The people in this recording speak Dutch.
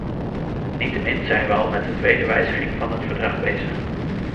Niettemin zijn we al met de tweede wijziging van het verdrag bezig.